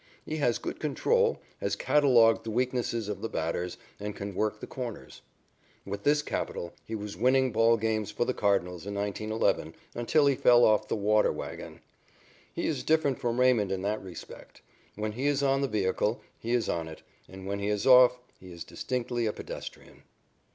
He has good control, has catalogued the weaknesses of the batters, and can work the corners. With this capital, he was winning ball games for the Cardinals in 1911 until he fell off the water wagon. He is different from Raymond in that respect. When he is on the vehicle, he is on it, and, when he is off, he is distinctly a pedestrian.